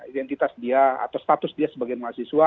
identitas dia atau status dia sebagai mahasiswa